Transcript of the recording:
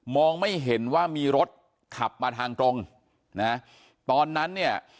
ไม่เห็นว่ามีรถขับมาทางตรงนะตอนนั้นเนี่ย